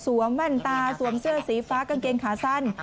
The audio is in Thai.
แว่นตาสวมเสื้อสีฟ้ากางเกงขาสั้น